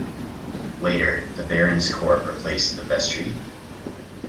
Later the Baron's Court replaced the Vestry.